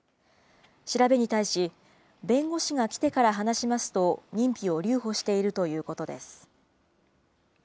調べに対し、弁護士が来てから話しますと、認否を留保しているということです。